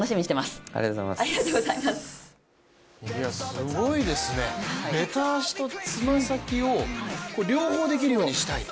すごいですね、べた足とつま先を両方できるようにしたいと。